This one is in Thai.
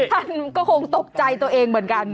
ท่านก็คงตกใจตัวเองเหมือนกัน